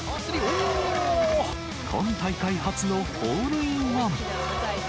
今大会初のホールインワン。